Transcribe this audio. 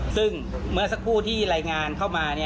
ซึ่งเมื่อสักพวิดีโอไฟล์ที่ไลน์งานเข้ามา